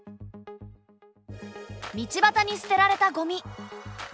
道端に捨てられたゴミ。